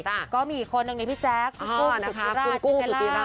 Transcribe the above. ใช่ก็มีคนหนึ่งในนี่พี่แจ้กคุณก้องสุธิราะย์จิลิลล่า